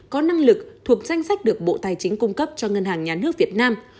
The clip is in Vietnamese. có năng lực thuộc danh sách được bộ tài chính cung cấp cho ngân hàng nhà nước việt nam